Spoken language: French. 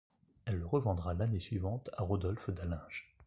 Elle le revendra l'année suivante à Rodolphe d'Allinges.